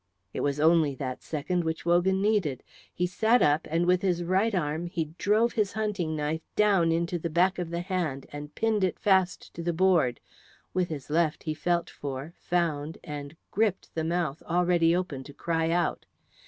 It was only that second which Wogan needed. He sat up, and with his right arm he drove his hunting knife down into the back of the hand and pinned it fast to the board; with his left he felt for, found, and gripped a mouth already open to cry out.